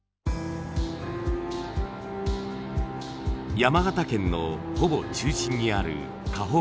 山形県のほぼ中心にある河北町。